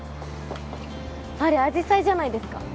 あれあじさいじゃないですか？